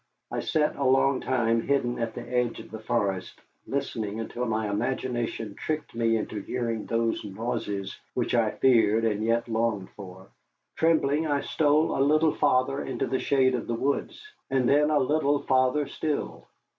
I sat a long time hidden at the edge of the forest, listening until my imagination tricked me into hearing those noises which I feared and yet longed for. Trembling, I stole a little farther in the shade of the woods, and then a little farther still.